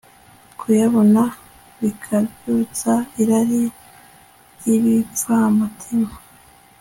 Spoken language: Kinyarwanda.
kuyabona bikabyutsa irari ry'ibipfamutima